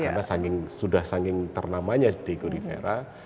karena sudah saking ternamanya diego rivera